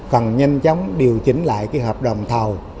cần nhanh chóng điều chỉnh lại hợp đồng thầu